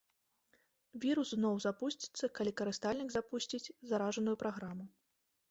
Вірус зноў запусціцца, калі карыстальнік запусціць заражаную праграму.